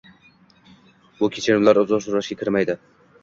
bu kechirimlar uzr so‘rashga kirmaydi.